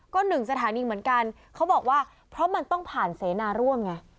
ก็หนึ่งสถานีเหมือนกันเขาบอกว่าเพราะมันต้องผ่านเสนาร่วมไง